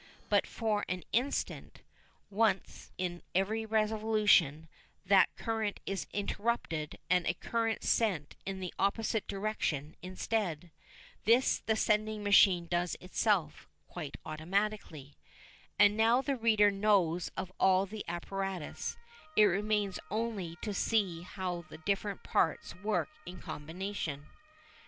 But for an instant once in every revolution that current is interrupted and a current sent in the opposite direction instead. This the sending machine does of itself, quite automatically. And now the reader knows of all the apparatus; it remains only to see how the different parts work in combination.